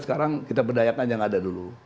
sekarang kita berdayakan yang ada dulu